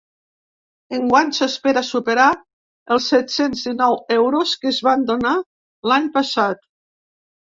Enguany s’espera superar els set-cents dinou euros que es van donar l’any passat.